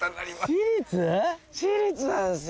私立なんですよ。